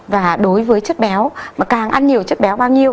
và đối với chất béo mà càng ăn nhiều chất béo bao nhiêu